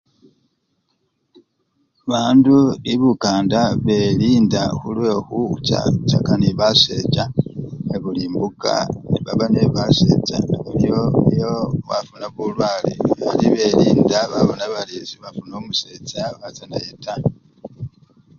bandu ebukanda belinda hulwe khulachachaka ne basecha nabulimbuka nebaba ne basecha nyo nyo bafuna bulwale ari belinda babona bari sebafuna umusecha bacha nenaye taa